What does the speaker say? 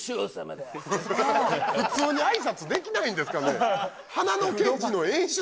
普通にあいさつできないんですかね？